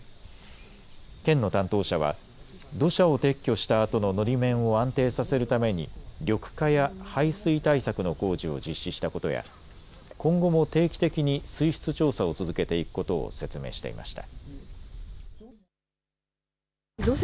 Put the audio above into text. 県の担当者は土砂を撤去したあとののり面を安定させるために緑化や排水対策の工事を実施したことや今後も定期的に水質調査を続けていくことを説明していました。